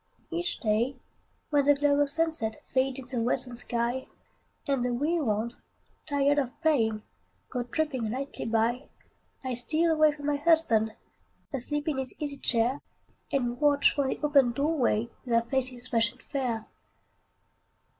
Each day, when the glow of sunset Fades in the western sky, And the wee ones, tired of playing, Go tripping lightly by, I steal away from my husband, Asleep in his easy chair, And watch from the open door way Their faces fresh and fair.